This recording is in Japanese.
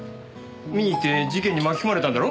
見に行って事件に巻き込まれたんだろ？